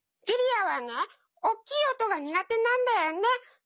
ジュリアはねおっきい音が苦手なんだよね。